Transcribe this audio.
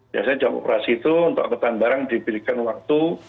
biasanya jam operasi itu untuk angkutan barang diberikan waktu